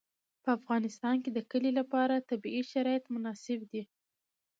په افغانستان کې د کلي لپاره طبیعي شرایط مناسب دي.